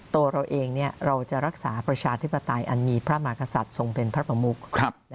ตัวเราเองเราจะรักษาประชาธิปไตยอันมีพระมากษัตริย์ทรงเป็นพระประมุก